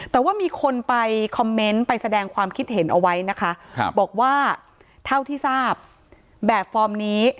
แต่ว่ามีคนไปคอมเมนต์ไปแสดงความคิดเห็นเอาไว้นะคะบอกว่าเท่าที่ทราบแบบฟอร์มนี้